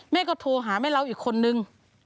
แม่ก็โทรหาแม่เราอีกคนนึง